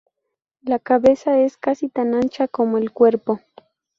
La cabeza es casi tan ancha como el cuerpo.